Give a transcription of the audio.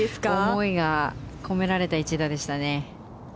思いが込められた一打でしたね。